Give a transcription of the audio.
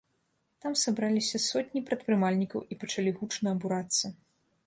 Там сабраліся сотні прадпрымальнікаў і пачалі гучна абурацца.